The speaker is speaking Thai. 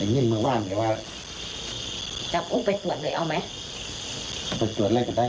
แต่เงียบน้ำโอ้โห้ยมันคือหยามผงขัดแท้ว่ะสักที